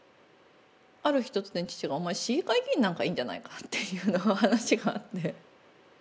ある日突然父が「お前市議会議員なんかいいんじゃないか」という話があって。